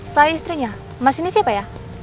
saya istrinya mas ini siapa ya